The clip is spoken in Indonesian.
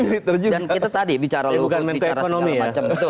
dan kita tadi bicara lut pun bicara segala macam